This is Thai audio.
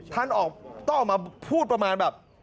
ท่านต้องออกมาพูดประมาณแบบ